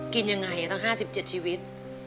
กินยังไงตั้ง๕๗ชีวิต